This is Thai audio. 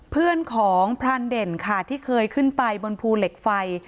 เพื่อนของพรานเด่นค่ะที่เคยขึ้นไปบนภูเหล็กไฟ